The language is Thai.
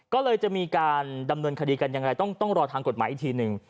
ก็เลยจะมีการดำเนินคดีกันอย่างไรต้องรอทางกฎหมายอีกทีหนึ่ง